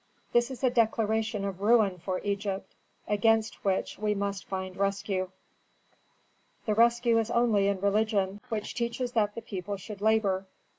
"This is a declaration of ruin for Egypt, against which we must find rescue. The rescue is only in religion, which teaches that the people should labor.